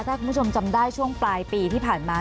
ถ้าคุณผู้ชมจำได้ช่วงปลายปีที่ผ่านมา